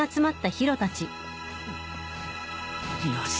よし。